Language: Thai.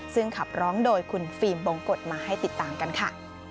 ซึ่งขับร้องโดยคุณฟิล์มบงกฎมาให้ติดตามกันค่ะ